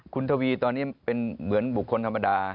คุณทวีตอนนี้เป็นเหมือนบุคคลธรรมดา